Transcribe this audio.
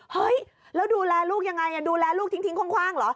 เฮ้ยแล้วดูแลลูกยังไงดูแลลูกทิ้งคว่างเหรอ